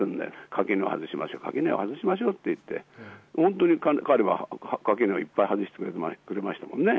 垣根を外しましょう、垣根を外しましょうって言って、本当に彼は垣根をいっぱい外してくれましたもんね。